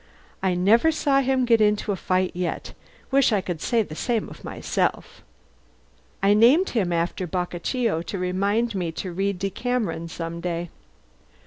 I never saw him get into a fight yet. Wish I could say the same of myself. I named him after Boccaccio, to remind me to read the 'Decameron' some day."